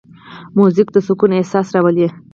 موزیک د سکون احساس راولي.